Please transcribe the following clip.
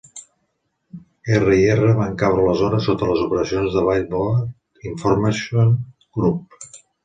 R i R van caure aleshores sota les operacions del Billboard Information Group.